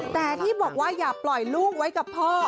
แต่ที่บอกว่าอย่าปล่อยลูกไว้กับพ่อ